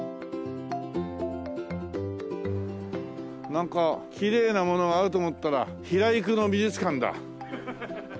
なんかきれいなものがあると思ったら平郁の美術館だ。